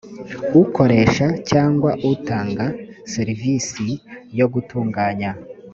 ukoresha cyangwa utanga serivisi yo gutunganya